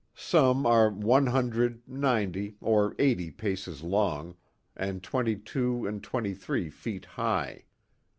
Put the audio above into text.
Some are one hundred, ninety, or eighty paces long, and twenty two and twenty three feet high.